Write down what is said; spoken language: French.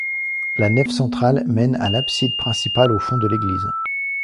La nef centrale mène à l'abside principale au fond de l'église.